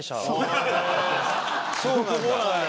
そうなんだ。